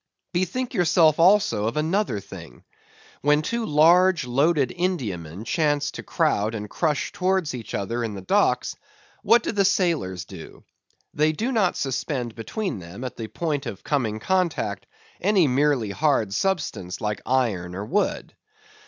Bethink yourself also of another thing. When two large, loaded Indiamen chance to crowd and crush towards each other in the docks, what do the sailors do? They do not suspend between them, at the point of coming contact, any merely hard substance, like iron or wood.